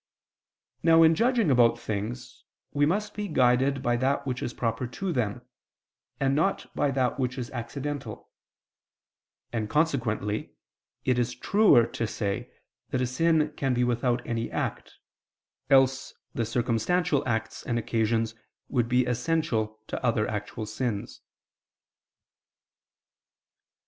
Now in judging about things, we must be guided by that which is proper to them, and not by that which is accidental: and consequently it is truer to say that a sin can be without any act; else the circumstantial acts and occasions would be essential to other actual sins.